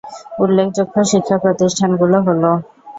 উল্লেখযোগ্য শিক্ষা প্রতিষ্ঠানগুলো হলো